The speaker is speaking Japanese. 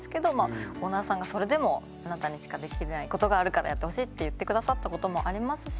オーナーさんがそれでもあなたにしかできないことがあるからやってほしいって言って下さったこともありますし。